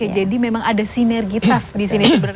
jadi memang ada sinergitas di sini